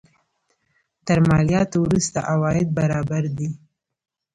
تر مالیاتو وروسته عواید برابر دي.